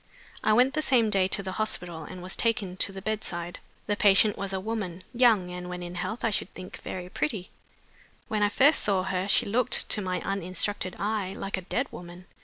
"'I went the same day to the hospital, and was taken to the bedside. "'The patient was a woman young, and (when in health), I should think, very pretty. When I first saw her she looked, to my uninstructed eye, like a dead woman.